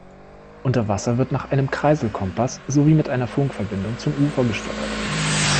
Unter Wasser wird nach einem Kreiselkompass sowie mit einer Funkverbindung zum Ufer gesteuert.